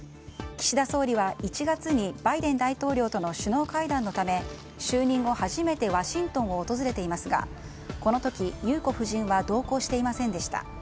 岸田総理は１月にバイデン大統領との首脳会談のため就任後初めてワシントンを訪れていますがこの時、裕子夫人は同行していませんでした。